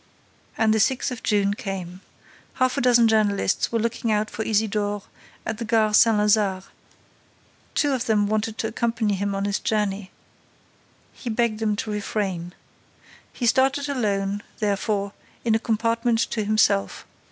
And the sixth of June came. Half a dozen journalists were looking out for Isidore at the Gare Saint Lazare. Two of them wanted to accompany him on his journey. He begged them to refrain. He started alone, therefore, in a compartment to himself.